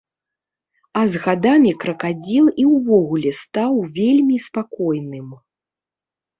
А з гадамі кракадзіл і ўвогуле стаў вельмі спакойным.